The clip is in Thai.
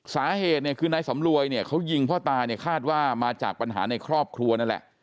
สาเหตุเนี่ยคือนายสำรวยเนี่ยเขายิงพ่อตาเนี่ยคาดว่ามาจากปัญหาในครอบครัวนั่นแหละ